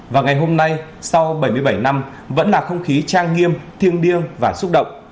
và ngày hôm nay sau bảy mươi bảy năm vẫn là không khí trang nghiêm thiêng điêng và xúc động